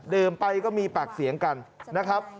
ไปก็มีปากเสียงกันนะครับ